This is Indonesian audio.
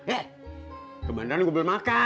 eh kebetulan gua belum makan